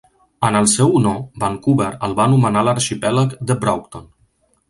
En el seu honor, Vancouver el va anomenar l'arxipèlag de Broughton.